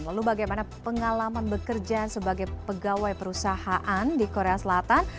lalu bagaimana pengalaman bekerja sebagai pegawai perusahaan di korea selatan